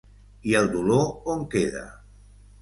I el dolor, on queda?